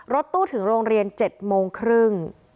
รถตู้ถึงโรงเรียน๗โมงครึ่ง